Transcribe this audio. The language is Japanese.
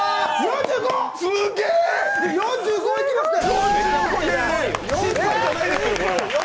４５いきましたよ！